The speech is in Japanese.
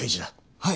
はい。